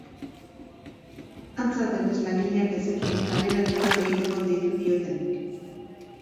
Antza denez, langileak ez zekien kaleratze bat egiteko deitu diotenik.